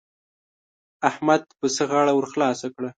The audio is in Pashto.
احمد پسه غاړه ور خلاصه کړه.